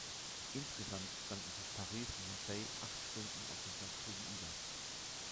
Insgesamt standen sich Paris und Marseille acht Stunden auf dem Platz gegenüber.